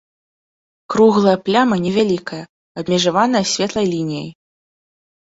Круглая пляма невялікая, абмежаваная светлай лініяй.